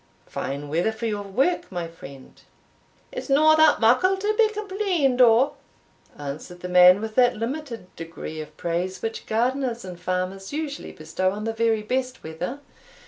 "Fine weather for your work, my friend." "It's no that muckle to be compleened o'," answered the man, with that limited degree of praise which gardeners and farmers usually bestow on the very best weather.